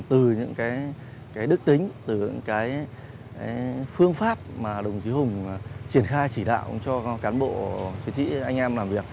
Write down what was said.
từ những đức tính từ những cái phương pháp mà đồng chí hùng triển khai chỉ đạo cho cán bộ chiến sĩ anh em làm việc